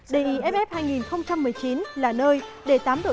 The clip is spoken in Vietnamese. diff hai nghìn một mươi chín là nơi để tám đội tham dự